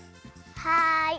はい！